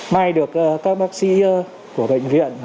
may được các bác sĩ của bệnh viện